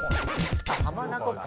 浜名湖か。